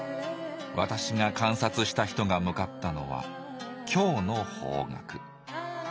私が観察した人が向かったのは凶の方角。